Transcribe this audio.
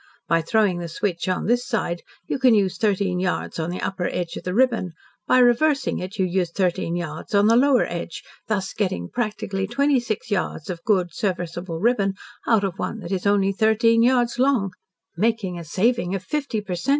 By throwing the switch on this side, you can use thirteen yards on the upper edge of the ribbon, by reversing it, you use thirteen yards on the lower edge thus getting practically twenty six yards of good, serviceable ribbon out of one that is only thirteen yards long making a saving of fifty per cent.